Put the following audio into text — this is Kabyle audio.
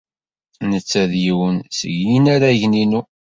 Netta d yiwen seg yinaragen-inu.